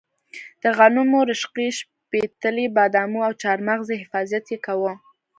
د غنمو، رشقې، شپتلې، بادامو او چارمغزو حفاظت یې کاوه.